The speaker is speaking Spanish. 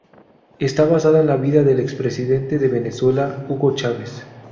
Está basada en la vida del expresidente de Venezuela, Hugo Chávez.